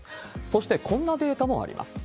そして、こんなデータもあります。